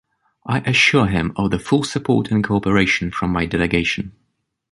I assure him of the full support and cooperation from my delegation.